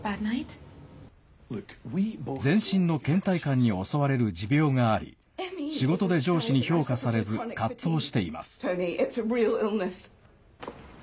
全身の倦怠感に襲われる持病があり仕事で上司に評価されず葛藤しています。